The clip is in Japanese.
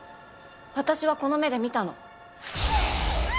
私はこの目で見たの。